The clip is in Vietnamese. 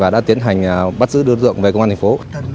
đã tiến hành bắt giữ đối tượng về công an thành phố